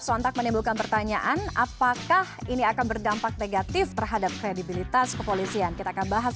sontak menimbulkan pertanyaan apakah ini akan berdampak negatif terhadap kredibilitas